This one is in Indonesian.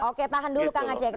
oke tahan dulu kang aceh